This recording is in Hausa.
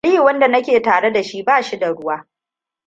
Aliyu, wanda nake tare da shi, ba shi da ruwa.